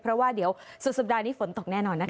เพราะว่าเดี๋ยวสุดสัปดาห์นี้ฝนตกแน่นอนนะคะ